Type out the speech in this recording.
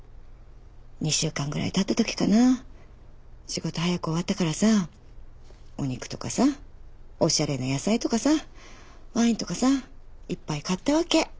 仕事早く終わったからさお肉とかさおしゃれな野菜とかさワインとかさいっぱい買ったわけ。